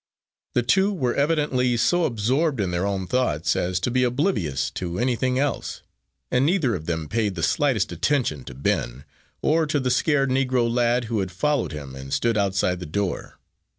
The two were evidently so absorbed in their own thoughts as to be oblivious to anything else, and neither of them paid the slightest attention to Ben, or to the scared Negro lad, who had followed him and stood outside the door.